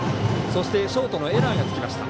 そしてショートのエラーがつきました。